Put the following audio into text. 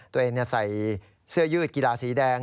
ตัวเองใส่เสื้อยืดกีฬาสีแดง